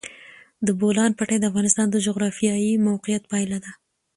د بولان پټي د افغانستان د جغرافیایي موقیعت پایله ده.